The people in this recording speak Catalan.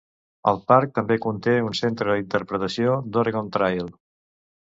El parc també conté un centre d'interpretació d'Oregon Trail.